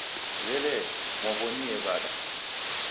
W'elee, mwaaw'onie w'ada?